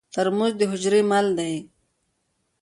ترموز د حجرې مل دی.